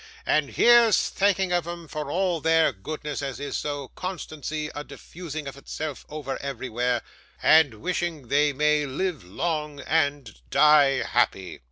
And here's thanking of 'em for all their goodness as is so constancy a diffusing of itself over everywhere, and wishing they may live long and die happy!